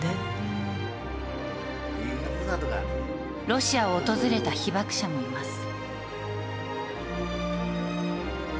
ロシアを訪れた被爆者もいます。